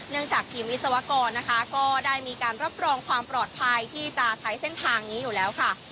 จากทีมวิศวกรนะคะก็ได้มีการรับรองความปลอดภัยที่จะใช้เส้นทางนี้อยู่แล้วค่ะ